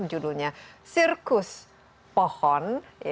judulnya sirkus pohon